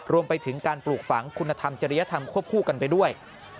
รวมไปถึงการปลูกฝังคุณธรรมจริยธรรมควบคู่กันไปด้วย